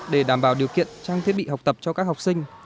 để đảm bảo điều kiện trang thiết bị học tập cho các học sinh